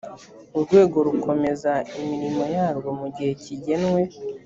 urwego rukomeza imirimo yarwo mu gihe kigenwe